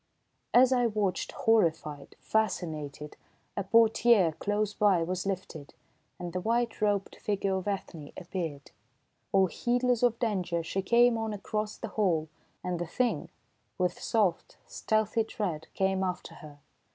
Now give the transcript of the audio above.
As I watched, horrified, fascinated, a portière close by was lifted, and the white robed figure of Ethne appeared. All heedless of danger she came on across the hall, and the Thing, with soft, stealthy tread, came after her.